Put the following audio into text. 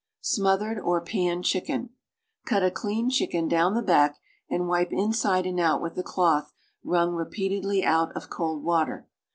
SMOTHERED OR PAN CHICKEN Cut a cleaned chicken down the back and wipe inside and out with a cloth wrung repeatedly out of cold water.